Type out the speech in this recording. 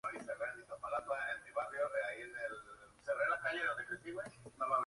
Entre sus alumnos de violín se incluyen, entre otros, George Enescu y Jacques Thibaud.